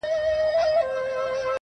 د پاچا تر اجازې وروسته وو تللی -